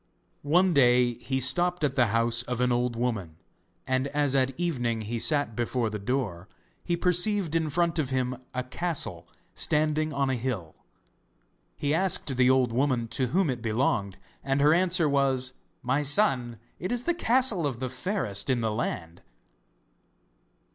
One day he stopped at the house of an old woman, and as at evening he sat before the door, he perceived in front of him a castle standing on a hill. He asked the old woman to whom it belonged, and her answer was: 'My son, it is the castle of the Fairest in the Land!